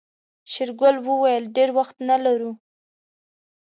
شېرګل وويل ډېر وخت نه لرو.